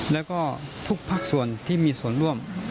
แล้วก็ทุกภาคส่วนที่มีส่วนร่วม